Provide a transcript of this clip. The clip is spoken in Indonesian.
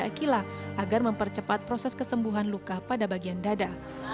akila agar mempercepat proses kesembuhan luka pada bagian dada